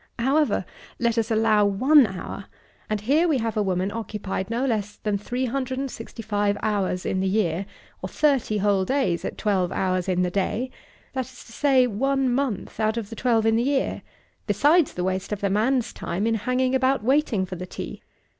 However, let us allow one hour; and here we have a woman occupied no less than three hundred and sixty five hours in the year, or thirty whole days, at twelve hours in the day; that is to say, one month out of the twelve in the year, besides the waste of the man's time in hanging about waiting for the tea!